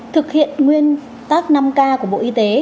thực hiện nguyên tắc năm k của bộ y tế